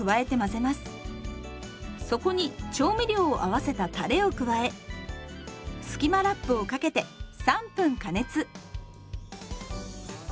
そこに調味料を合わせたたれを加えスキマラップをかけて３分加熱。